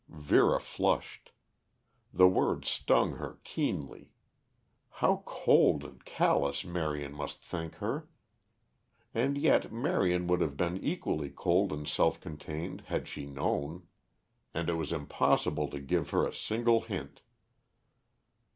Vera flushed. The words stung her keenly. How cold and callous Marion must think her! And yet Marion would have been equally cold and self contained had she known. And it was impossible to give her a single hint.